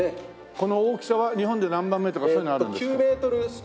この大きさは日本で何番目とかそういうのあるんですか？